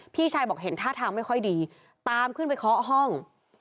พี่ชายบอกเห็นท่าทางไม่ค่อยดีตามขึ้นไปเคาะห้อง